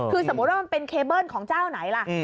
คือสมมุติว่ามันเป็นเคเบิ้ลของเจ้าไหนล่ะ